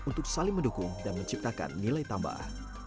untuk saling mendukung dan menciptakan nilai tambah